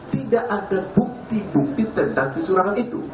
tidak ada bukti bukti tentang kecurangan itu